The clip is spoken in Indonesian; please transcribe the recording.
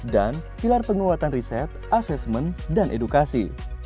dan pilar penguatan riset assessment dan edukasi